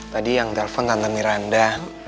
tadi yang telepon tante miranda